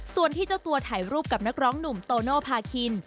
ส่วนที่เจ้าตัวถ่ายรูปกับนักร้องหนุ่มโตโนภาคิน